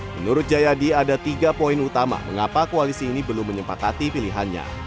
menurut jayadi ada tiga poin utama mengapa koalisi ini belum menyempakati pilihannya